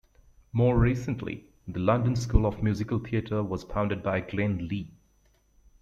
More recently, the London School of Musical Theatre was founded by Glenn Lee.